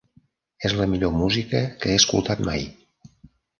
És la millor música que he escoltat mai.